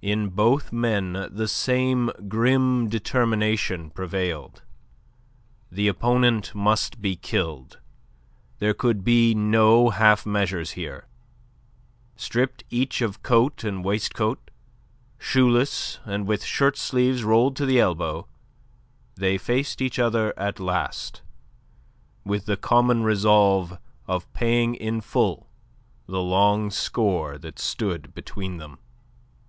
In both men the same grim determination prevailed. The opponent must be killed; there could be no half measures here. Stripped each of coat and waistcoat, shoeless and with shirt sleeves rolled to the elbow, they faced each other at last, with the common resolve of paying in full the long score that stood between them.